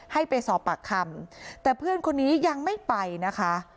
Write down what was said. ให้ไปสอบปากคำแต่เพื่อนคนนี้ยังไม่ไปนะคะ